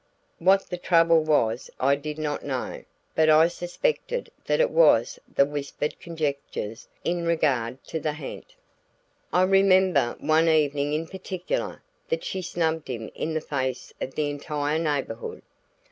What the trouble was, I did not know, but I suspected that it was the whispered conjectures in regard to the ha'nt. I remember one evening in particular that she snubbed him in the face of the entire neighborhood.